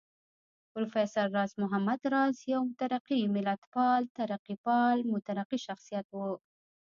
پروفېسر راز محمد راز يو مترقي ملتپال، ترقيپال مترقي شخصيت و